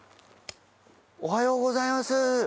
おはようございます。